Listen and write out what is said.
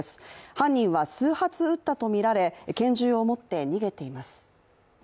犯人は数発撃ったとみられ、拳銃を持って逃げています。